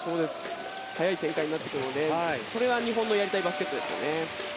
速い展開になってくるのでこれが日本のやりたいバスケットですね。